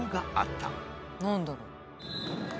何だろう？